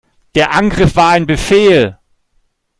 Der Angriff war ein Befehl!